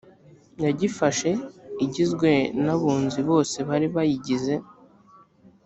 yagifashe igizwe n abunzi bose bari bayigize